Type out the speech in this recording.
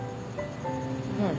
うん。